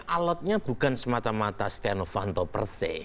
alatnya bukan semata mata steno fanto per se